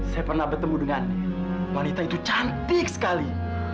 saya pernah bertemu dengan wanita itu cantik sekali